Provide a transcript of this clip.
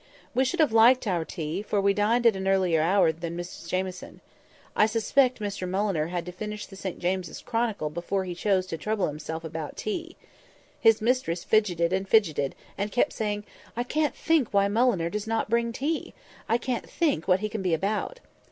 We should have liked our tea, for we dined at an earlier hour than Mrs Jamieson. I suspect Mr Mulliner had to finish the St James's Chronicle before he chose to trouble himself about tea. His mistress fidgeted and fidgeted, and kept saying, "I can't think why Mulliner does not bring tea. I can't think what he can be about."